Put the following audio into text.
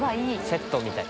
セットみたい。